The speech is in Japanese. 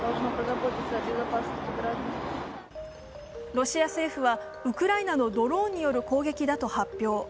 ロシア政府は、ウクライナのドローンによる攻撃だと発表。